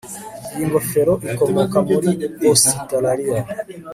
Iyi ngofero ikomoka muri Ositaraliya